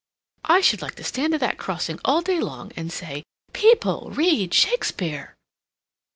I should like to stand at that crossing all day long and say: 'People, read Shakespeare!